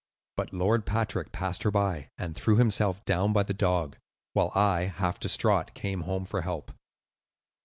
But Lord Patrick passed her by, and threw himself down by the dog; while I, half distraught, came home for help."